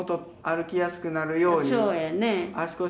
そうやね。